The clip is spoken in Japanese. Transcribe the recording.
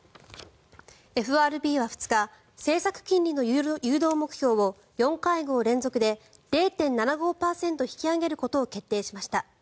ＦＲＢは２日政策金利の誘導目標を４会合連続で０．７５％引き上げることを決定しました。